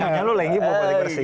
makanya lo lagi buat politik bersih